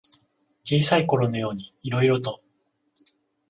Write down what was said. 小さいころのようにいろいろと。